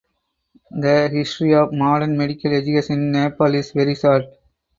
The history of modern medical education in Nepal is very short.